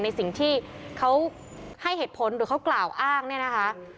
ในสิ่งที่เขาให้เหตุผลหรือเขากล่าวอ้างเนี่ยนะคะ